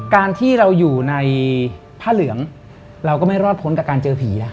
การที่เราอยู่ในผ้าเหลืองเราก็ไม่รอดพ้นกับการเจอผีล่ะ